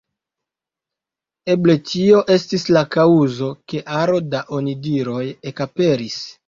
Eble tio estis la kaŭzo, ke aro da onidiroj ekaperis.